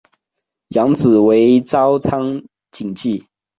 养子为朝仓景纪。